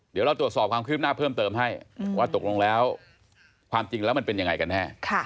เดี๋ยวเราตรวจสอบความคืบหน้าเพิ่มเติมให้ว่าตกลงแล้วความจริงแล้วมันเป็นยังไงกันแน่